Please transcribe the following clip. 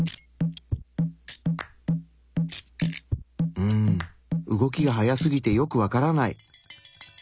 うん動きが速すぎてよくわからない。